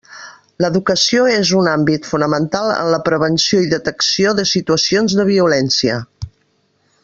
L'educació és un àmbit fonamental en la prevenció i detecció de situacions de violència.